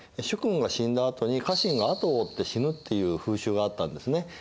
主君が死んだあとに家臣があとを追って死ぬっていう風習があったんですね。